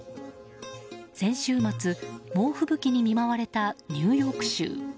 先週末、猛吹雪に見舞われたニューヨーク州。